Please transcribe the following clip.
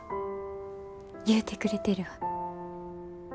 言うてくれてるわ。